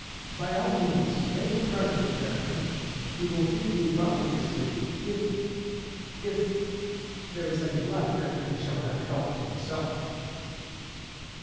By all means make him President, gentlemen. He will feed you bounteously if if there is any left after he shall have helped himself."